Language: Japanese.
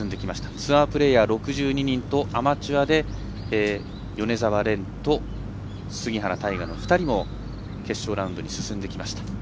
ツアープレーヤー６２人とアマチュアで米澤蓮と杉原大河の２人も決勝ラウンドに進んできました。